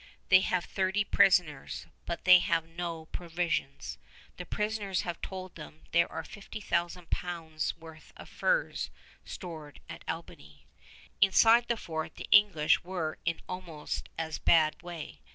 They have thirty prisoners, but they have no provisions. The prisoners have told them there are 50,000 pounds worth of furs stored at Albany. Inside the fort the English were in almost as bad way.